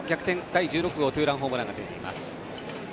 第１６号ツーランホームランが出ています。